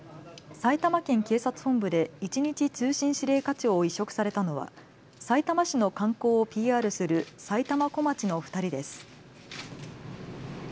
埼玉県警察本部で１日通信指令課長を委嘱されたのは、さいたま市の観光をＰＲするさいたま小町の２人です。